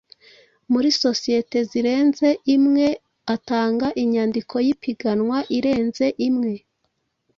muri sosiyeti zirenze imwe, atanga inyandiko y’ipiganwa irenze imwe